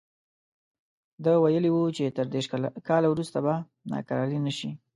ده ویلي وو چې تر دېرش کاله وروسته به ناکراري نه شي.